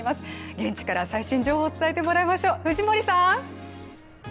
現地から最新情報を伝えてもらいましょう。